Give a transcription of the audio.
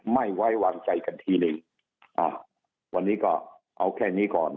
ไม่ไว้วางใจกันทีหนึ่งอ่าวันนี้ก็เอาแค่นี้ก่อน